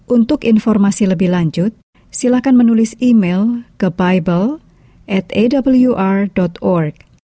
untuk informasi lebih lanjut silakan menulis email ke bible awr org